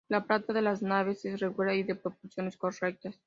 La planta de las naves es regular y de proporciones correctas.